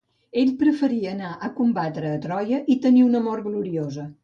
Ell preferí anar a combatre a Troia i tenir una mort gloriosa.